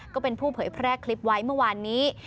ก็เป็นผู้เผยแพร่คลิปไว้เมื่อวานนี้